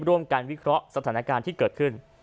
ร่วมการวิเคราะห์สถานการณ์ที่เกิดขึ้น